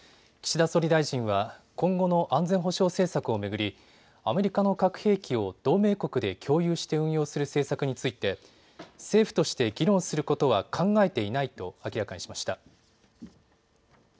岸田総理大臣は今後の安全保障政策を巡り、アメリカの核兵器を同盟国で共有して運用する政策について政府として議論することは考えていないと明らかにしました。